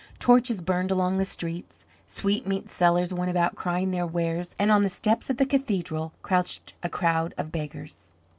Torches burned along the streets, sweetmeat sellers went about crying their wares, and on the steps of the cathedral crouched a crowd of beggars.